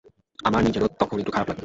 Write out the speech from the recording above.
আমার নিজেরও তখন একটু খারাপ লাগল।